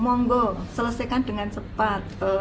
monggo selesaikan dengan cepat